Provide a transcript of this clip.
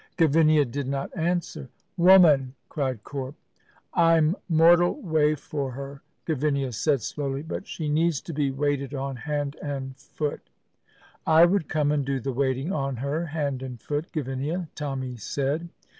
Gavinia did not answer. "Woman!" cried Corp. "I'm mortal wae for her," Gavinia said slowly, "but she needs to be waited on hand and foot." "I would come and do the waiting on her hand and foot, Gavinia," Tommy said.